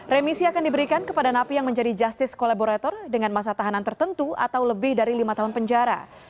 remisi akan diberikan kepada napi yang menjadi justice collaborator dengan masa tahanan tertentu atau lebih dari lima tahun penjara